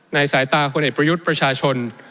สายตาคนเอกประยุทธ์ประชาชน